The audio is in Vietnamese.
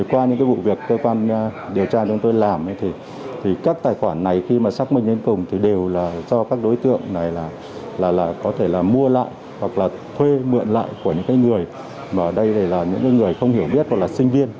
qua những vụ việc cơ quan điều tra chúng tôi làm thì các tài khoản này khi xác minh đến cùng đều do các đối tượng mua lại hoặc thuê mượn lại của những người không hiểu biết hoặc sinh viên